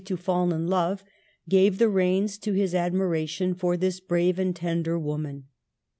II3 to fall in love, gave the reins to his admiration for this brave and tender woman.